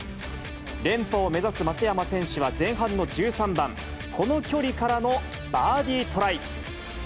連覇を目指す松山選手は前半の１３番、この距離からのバーディートライ。